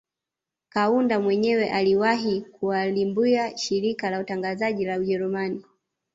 Kaunda mwenyewe aliwahi kuliambia shirika la utangazaji la Ujerumani